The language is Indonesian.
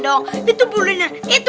aduh ini kantor apa itu